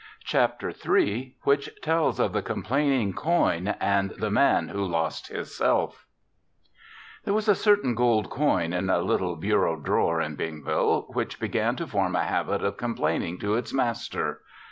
CHAPTER THREE WHICH TELLS OF THE COMPLAINING COIN AND THE MAN WHO LOST HIS SELF There was a certain gold coin in a little bureau drawer in Bingville which began to form a habit of complaining to its master.